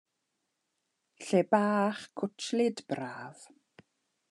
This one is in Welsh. Lle bach cwtshlyd, braf.